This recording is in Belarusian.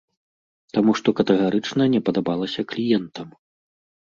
Таму што катэгарычна не падабалася кліентам.